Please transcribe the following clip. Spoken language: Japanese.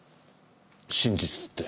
真実って？